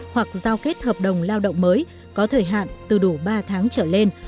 hoặc giao kết hợp đồng lao động mới có thời hạn từ đủ ba tháng trở lên